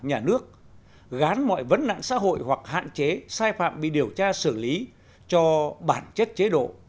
nhà nước gán mọi vấn nạn xã hội hoặc hạn chế sai phạm bị điều tra xử lý cho bản chất chế độ